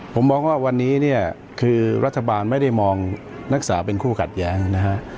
ผมมองว่าวันนี้เนี่ยคือรัฐบาลไม่ได้มองนักศึกษาเป็นคู่ขัดแย้งนะฮะ